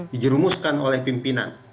dijerumuskan oleh pimpinan